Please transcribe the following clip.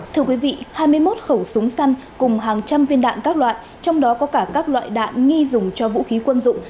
thưa quý vị hai mươi một khẩu súng săn cùng hàng trăm viên đạn các loại trong đó có cả các loại đạn nghi dùng cho vũ khí quân dụng